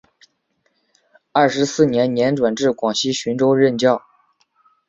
二十四年年转至广西浔州任教。